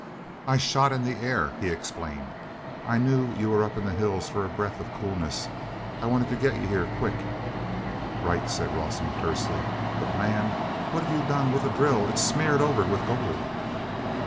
"I shot in the air," he explained. "I knew ye were up in the hills for a breath of coolness. I wanted to get ye here quick." "Right," said Rawson tersely. "But, man, what have you done with the drill? It's smeared over with gold!"